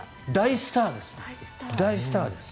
大スターです。